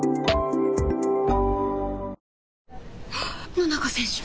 野中選手！